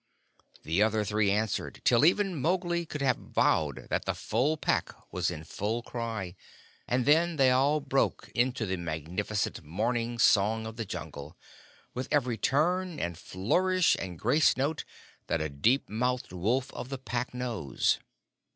The other three answered, till even Mowgli could have vowed that the full Pack was in full cry, and then they all broke into the magnificent Morning song in the Jungle, with every turn, and flourish, and grace note, that a deep mouthed wolf of the Pack knows.